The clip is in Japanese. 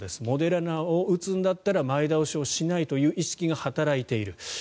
モデルナを打つんだったら前倒しをしないという意識が働いている。